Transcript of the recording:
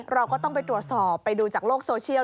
เราก็ต้องไปตรวจสอบไปดูจากโลกโซเชียล